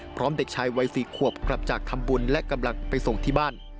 เด็กชายวัย๔ขวบกลับจากทำบุญและกำลังไปส่งที่บ้าน